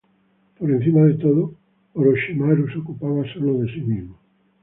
Por encima de todo, Orochimaru se ocupaba sólo de sí mismo.